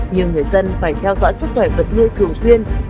nhưng người dân phải theo dõi sức khỏe vật nuôi thường xuyên